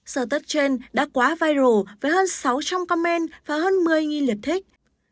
sợ tớt trên đã quá viral với hơn sáu trăm linh comment và hơn một mươi liệt thích